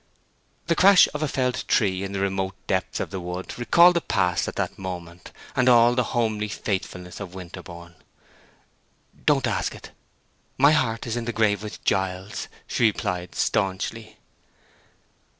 The crash of a felled tree in the remote depths of the wood recalled the past at that moment, and all the homely faithfulness of Winterborne. "Don't ask it! My heart is in the grave with Giles," she replied, stanchly.